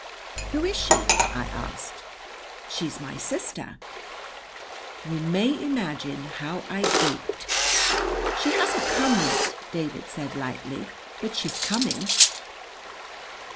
"Who is she?" I asked. "She's my sister." You may imagine how I gaped. "She hasn't come yet," David said lightly, "but she's coming."